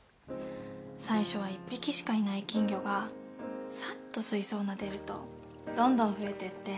最初は一匹しかいない金魚がさっと水槽をなでるとどんどん増えてって。